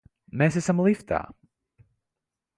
Mēs esam liftā!